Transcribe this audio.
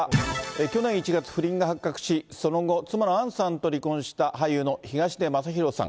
去年１月、不倫が発覚し、その後、妻、杏さんと離婚した俳優の東出昌大さん。